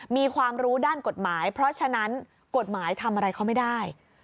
มีความรู้ด้านกฎหมายเพราะฉะนั้นกฎหมายทำอะไรเขาไม่ได้